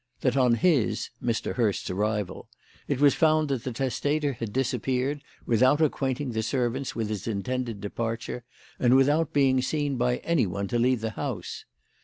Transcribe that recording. That on his Mr. Hurst's arrival it was found that the testator had disappeared without acquainting the servants with his intended departure, and without being seen by anyone to leave the house.